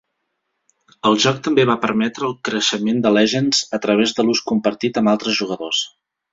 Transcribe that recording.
El joc també va permetre el creixement de Legendz a través de l'ús compartit amb altres jugadors.